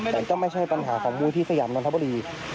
แต่ก็ไม่ใช่ปัญหาของมูลที่สยามนนทบุรี